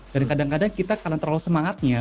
dan kadang kadang kita karena terlalu semangatnya